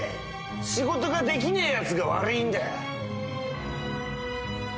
仕事ができねえやつが悪いんだよ。